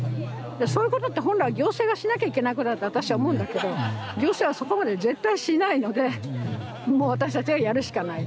そういうことって本来は行政がしなきゃいけないことだって私は思うんだけど行政はそこまで絶対しないのでもう私たちがやるしかない。